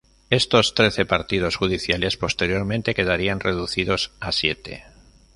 Estos trece partidos judiciales posteriormente quedarían reducidos a siete.